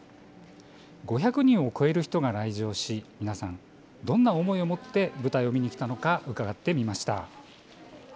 ５００人を超える人が来場し皆さん、どんな思いを持って舞台を見に来たのか伺ってみました。